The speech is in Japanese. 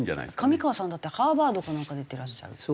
上川さんだってハーバードかなんか出てらっしゃるって。